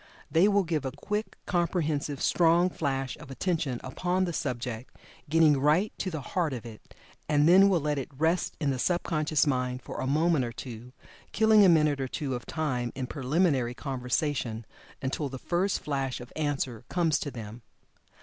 They will give a quick, comprehensive, strong flash of attention upon the subject, getting right to the heart of it, and then will let it rest in the sub conscious mind for a moment or two, killing a minute or two of time n "preliminary conversation," until the first flash of answer comes to them.